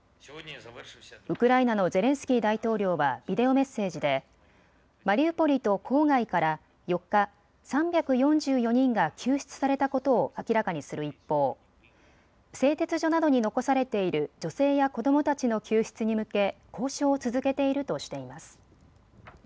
ウクライナのゼレンスキー大統領はビデオメッセージでマリウポリと郊外から４日３４４人が救出されたことを明らかにする一方製鉄所などに残されている女性や子どもたちの救出に向け交渉を続けているとしています。